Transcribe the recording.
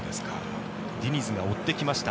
ディニズが追ってきました。